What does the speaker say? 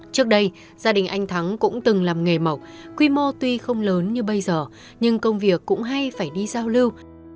trước đây gia đình anh thắng cũng từng làm nghề mộc quy mô tuy không lớn như bây giờ nhưng công việc cũng hay phải đi giao lưu